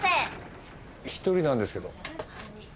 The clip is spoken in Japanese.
１人なんですけど。